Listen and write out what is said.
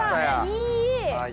いい！